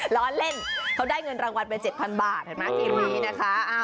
ร้อนเล่นเขาได้เงินรางวัลไป๗๐๐๐บาททีมนี้นะคะ